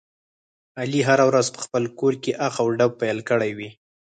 علي هره ورځ په خپل کورکې اخ او ډب پیل کړی وي.